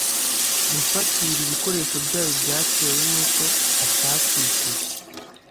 gufatira ibikoresho byayo byatewe nuko atatwishyuye